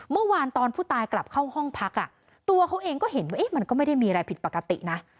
เมื่อวานตอนผู้ตายกลับเข้าห้องพักตัวเขาเองก็เห็นว่ามันก็ไม่ได้มีอะไรผิดปกตินะ